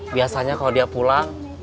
biasanya kalau dia pulang